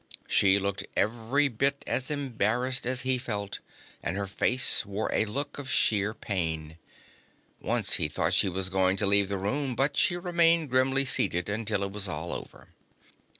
She looked every bit as embarrassed as he felt, and her face wore a look of sheer pain. Once he thought she was going to leave the room, but she remained grimly seated until it was all over.